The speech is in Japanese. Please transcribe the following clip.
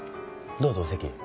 どうぞお席へ。